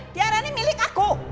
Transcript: tiara ini milik aku